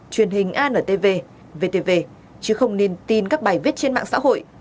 truyền hình antv vtv chứ không nên tin các bài viết trên mạng xã hội